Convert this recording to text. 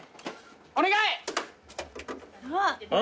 お願い！